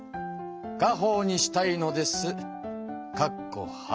家ほうにしたいのです。